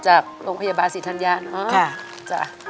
จากโรงพยาบาลสิทธรรยานะ